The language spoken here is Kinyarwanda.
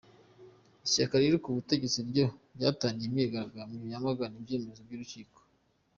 Ishyaka riri ku butegetsi ryo ryatangiye imyigaragambyo yamagana icyemezo cy’urukiko.